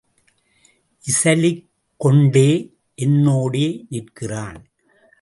இசலிக் கொண்டே என்னோடே நிற்கிறான்.